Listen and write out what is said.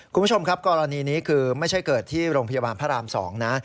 คุณผู้ชมครับกรณีนี้คือไม่ใช่เกิดที่โรงพยาบาลพระราม๒นะ